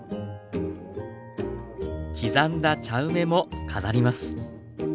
刻んだ茶梅も飾ります。